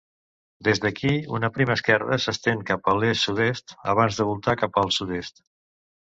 Des d'aquí una prima esquerda s'estén cap a l'est-sud-est abans de voltar cap al sud-est.